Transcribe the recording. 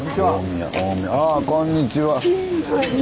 ああこんにちは。